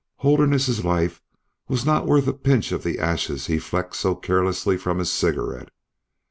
Holderness's life was not worth a pinch of the ashes he flecked so carelessly from his cigarette.